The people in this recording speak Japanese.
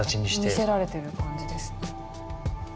見せられてる感じですね。